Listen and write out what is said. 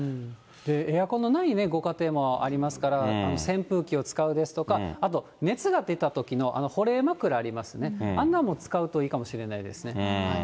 エアコンのないご家庭もありますから、扇風機を使うですとか、あと、熱が出たときのあの保冷枕ありますよね、あんなんも使うといいかもしれないですね。